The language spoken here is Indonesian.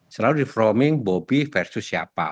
selalu di framing bobi versus siapa